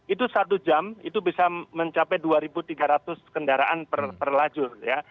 itu satu jam itu bisa mencapai dua tiga ratus kendaraan per lajur ya